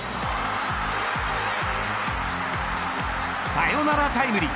サヨナラタイムリー。